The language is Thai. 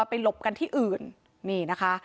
หลบกันที่อื่นนี่นะคะ